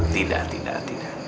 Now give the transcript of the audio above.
tidak tidak tidak